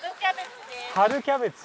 春キャベツ。